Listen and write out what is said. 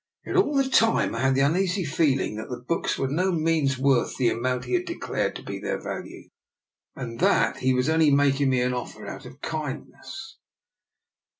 Yet all the time I had the uneasy feeling that the books were by no means worth the amount he had declared to be their value^ and that he was only making me the offer out of kind ness.